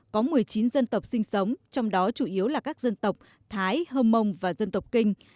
có một mươi chín dân tộc sinh sống trong đó chủ yếu là các dân tộc thái hơm mông và dân tộc kinh